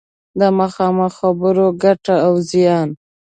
د مخامخ خبرو ګټه او زیان